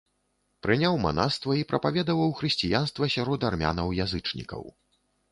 Прыняў манаства і прапаведаваў хрысціянства сярод армянаў-язычнікаў.